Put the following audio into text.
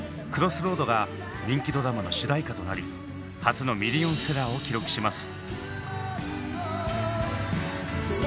「ＣＲＯＳＳＲＯＡＤ」が人気ドラマの主題歌となり初のミリオンセラーを記録します。